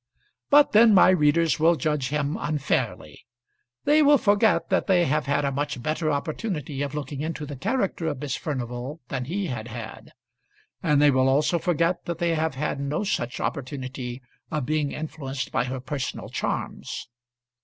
But then my readers will judge him unfairly. They will forget that they have had a much better opportunity of looking into the character of Miss Furnival than he had had; and they will also forget that they have had no such opportunity of being influenced by her personal charms.